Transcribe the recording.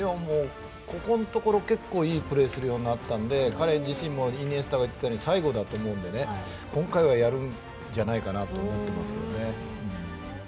ここのところ結構いいプレーをするようになったので彼自身もイニエスタが言っていたように最後だと思うので今回はやるんじゃないかなと思ってるんですけどね。